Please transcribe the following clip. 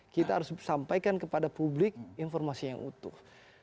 kita harus sampaikan kepada publik informasi yang utuh